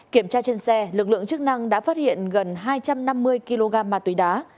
kiểm tra trên xe lực lượng chức năng đã phát hiện gần hai trăm năm mươi kg ma túy đá